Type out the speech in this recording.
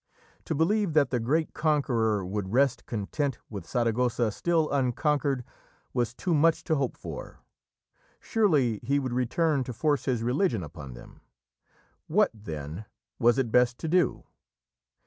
To believe that the great conqueror would rest content with Saragossa still unconquered was too much to hope for. Surely he would return to force his religion upon them. What, then, was it best to do?